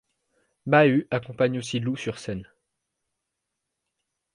Mahut accompagne aussi Lou sur scène.